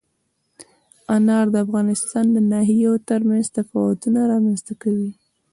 انار د افغانستان د ناحیو ترمنځ تفاوتونه رامنځ ته کوي.